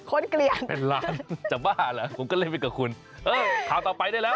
เกลียนเป็นล้านจะบ้าเหรอผมก็เลยไปกับคุณเออข่าวต่อไปได้แล้ว